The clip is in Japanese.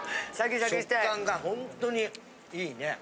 食感がほんとにいいね。